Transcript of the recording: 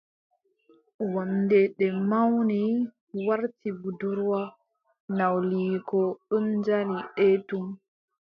Wamnde nde mawni warti budurwa. Nawliiko ɗon jali nde tum.